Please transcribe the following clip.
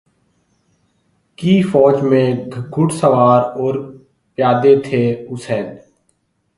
کی فوج میں گھرسوار اور پیادے تھے حسین